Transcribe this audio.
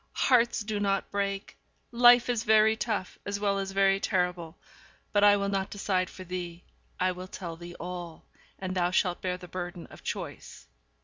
hearts do not break; life is very tough as well as very terrible. But I will not decide for thee. I will tell thee all; and thou shalt bear the burden of choice.